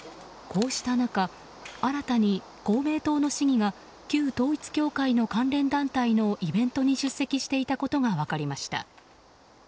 こうした中新たに公明党の市議が旧統一教会の関連団体のイベントに出席していたことが分かりました。